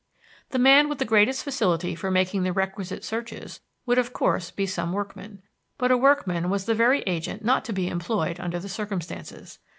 The man with the greatest facility for making the requisite searches would of course be some workman. But a workman was the very agent not to be employed under the circumstances.